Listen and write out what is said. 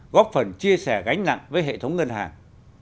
góp phần chia sẻ gánh nặng với hệ thống ngân hàng